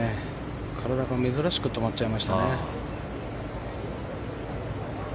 体が珍しく止まっちゃいましたね。